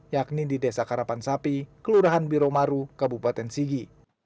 yakni di desa karapan sapi kelurahan biro maru kabupaten sigi